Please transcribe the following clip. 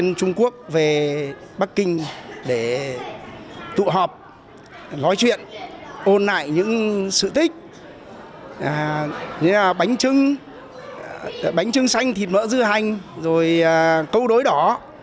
đại diện trung quốc về bắc kinh để tụ họp nói chuyện ôn lại những sự thích như là bánh trưng xanh thịt mỡ dưa hành rồi câu đối đỏ